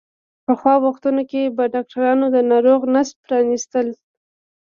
په پخوا وختونو کې به ډاکترانو د ناروغ نس پرانستلو.